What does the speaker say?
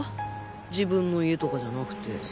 自分の家とかじゃなくて。